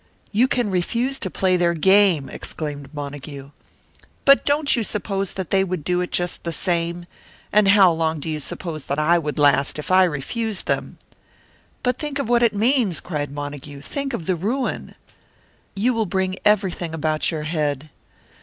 "You can refuse to play their game!" exclaimed Montague. "But don't you suppose that they would do it just the same? And how long do you suppose that I would last, if I refused them?" "But think of what it means!" cried Montague. "Think of the ruin! You will bring everything about your head."